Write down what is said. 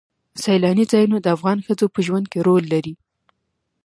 سیلاني ځایونه د افغان ښځو په ژوند کې رول لري.